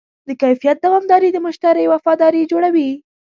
د کیفیت دوامداري د مشتری وفاداري جوړوي.